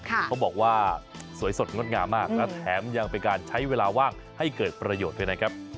เขาบอกว่าสวยสดงดงามมากและแถมยังเป็นการใช้เวลาว่างให้เกิดประโยชน์ด้วยนะครับ